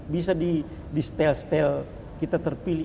bisa di stel style kita terpilih